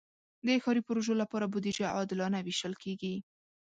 د ښاري پروژو لپاره بودیجه عادلانه ویشل کېږي.